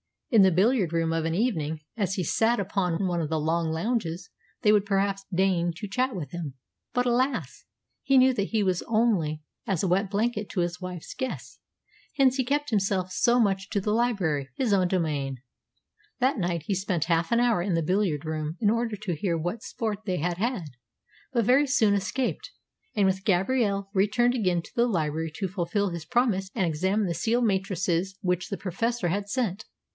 In the billiard room of an evening, as he sat upon one of the long lounges, they would perhaps deign to chat with him; but, alas! he knew that he was only as a wet blanket to his wife's guests, hence he kept himself so much to the library his own domain. That night he spent half an hour in the billiard room in order to hear what sport they had had, but very soon escaped, and with Gabrielle returned again to the library to fulfil his promise and examine the seal matrices which the Professor had sent.